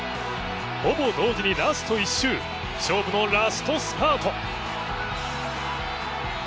ほぼ同時にラスト１周、勝負のラストスパート。